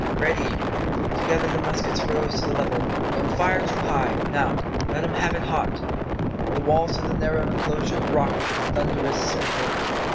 "Ready!" Together the muskets rose to the level. "Don't fire too high. Now, let 'em have it hot!" The walls of the narrow enclosure rocked with the thunderous report.